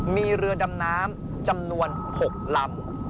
มีเรือดำน้ำจำนวน๖ลำ